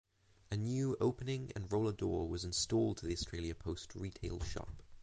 A new opening and roller door was installed to the Australia Post retail shop.